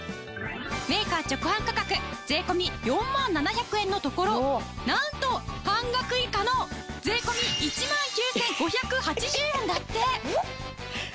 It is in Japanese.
メーカー直販価格税込４万７００円のところなんと半額以下の税込１万９５８０円だって！